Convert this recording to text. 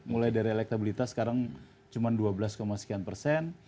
mulai dari elektabilitas sekarang cuma dua belas sekian persen